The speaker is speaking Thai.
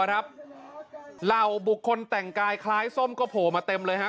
เหล่าบุคคลแต่งกายคล้ายส้มก็โผล่มาเต็มเลยครับ